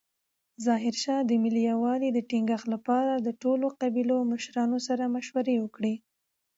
ظاهرشاه د ملي یووالي د ټینګښت لپاره د ټولو قبیلو مشرانو سره مشورې وکړې.